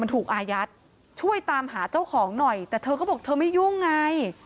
ถูกอายัดช่วยตามหาเจ้าของหน่อยแต่เธอก็บอกเธอไม่ยุ่งไง